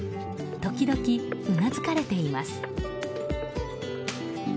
時々うなずかれています。